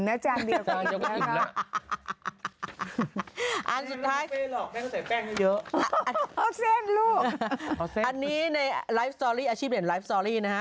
อาหารนี้ในอาชีพในนะฮะ